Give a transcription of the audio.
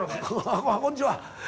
こんにちは。